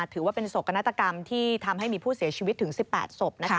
ถือว่าเป็นโศกนาฏกรรมที่ทำให้มีผู้เสียชีวิตถึง๑๘ศพ